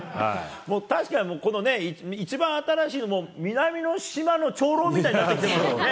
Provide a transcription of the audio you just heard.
確かに一番新しい、南の島の長老みたいになってきてますもんね。